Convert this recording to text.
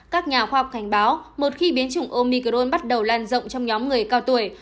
các nhà khoa học cảnh báo một khi biến chủng omicron bắt đầu lan rộng trong nhóm người cao tuổi